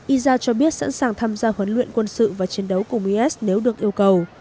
isaa cho biết sẵn sàng tham gia huấn luyện quân sự và chiến đấu của is nếu được yêu cầu